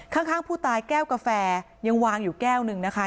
ข้างผู้ตายแก้วกาแฟยังวางอยู่แก้วหนึ่งนะคะ